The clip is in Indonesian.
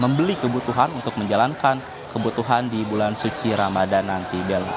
membeli kebutuhan untuk menjalankan kebutuhan di bulan suci ramadan nanti bella